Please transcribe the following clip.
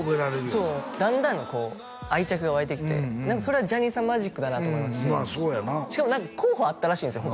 そうだんだんこう愛着が湧いてきて何かそれはジャニーさんマジックだなと思いますししかも何か候補あったらしいんですよ